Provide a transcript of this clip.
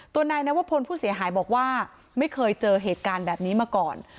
นายนวพลผู้เสียหายบอกว่าไม่เคยเจอเหตุการณ์แบบนี้มาก่อน